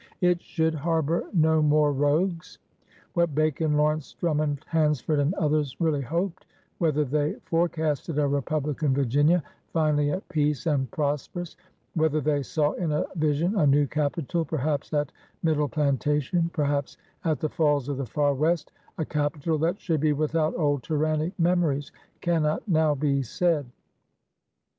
It should ^* har bor no more rogues/* What Bacon, Lawrence, Drununond, Hansford, and others really hoped — whether they forecasted a republican Virginia finally at peace and prosperous — whether they saw in a vision a new capital, perhaps at Middle Plantation, perhaps at the Falls of the Far West, a capital that should be without old, tyrannic memories — cannot now be said.